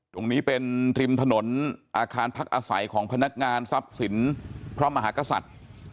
ตรงนี้เป็นริมถนนอาคารพักอาศัยของพนักงานทรัพย์สินพระมหากษัตริย์